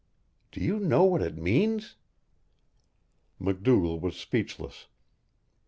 Do you know what it means?" MacDougall was speechless.